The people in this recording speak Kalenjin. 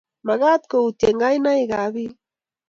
Magat koutye kainaikab biik